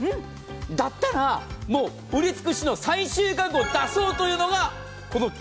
だったら、もう売り尽くしの最終価格を出そうというのがこの企画。